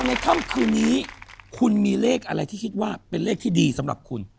ในค่ำคืนนี้คุณมีเลขอะไรที่คิดว่าเป็นเลขที่ดีสำหรับคุณ